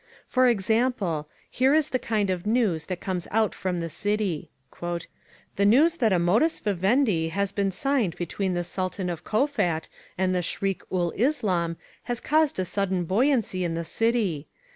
For example, here is the kind of news that comes out from the City. "The news that a modus vivendi has been signed between the Sultan of Kowfat and the Shriek ul Islam has caused a sudden buoyancy in the City.